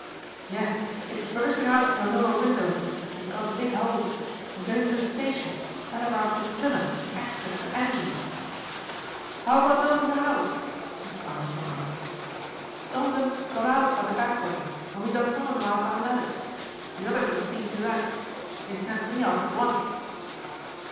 "Yes, it's bursting out from the lower windows; it has got a big hold. I am going to the station, to telegraph to Plymouth and Exeter for engines." "How about those in the house?" Mr. Armstrong asked. "Some of them got out by the back way, and we got some of them out by ladders. The others are seeing to that. They sent me off at once."